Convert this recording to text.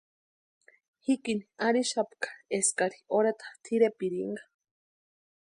Jikini arhixapka eskari orheta tʼirepirinka.